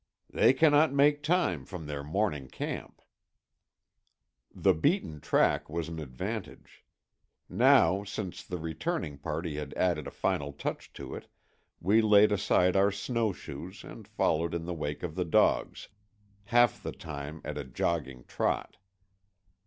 "They cannot make time from their morning camp." The beaten track was an advantage. Now, since the returning party had added a final touch to it, we laid aside our snowshoes and followed in the wake of the dogs, half the time at a jogging trot.